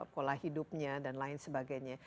pola hidupnya dan lain sebagainya